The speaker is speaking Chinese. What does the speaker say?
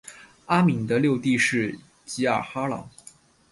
阿敏的六弟是济尔哈朗。